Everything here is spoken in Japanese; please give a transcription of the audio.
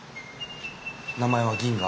名前は「銀河」。